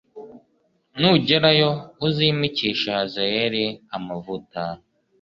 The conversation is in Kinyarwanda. nugerayo uzimikishe Hazayeli amavuta